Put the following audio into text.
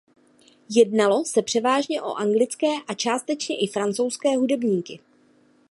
Jednalo se převážně o anglické a částečně i francouzské hudebníky.